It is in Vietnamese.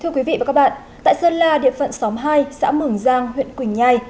thưa quý vị và các bạn tại sơn la địa phận xóm hai xã mường giang huyện quỳnh nhai